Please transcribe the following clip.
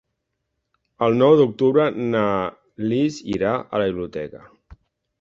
El nou d'octubre na Lis irà a la biblioteca.